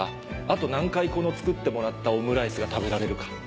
あと何回作ってもらったオムライスが食べられるか。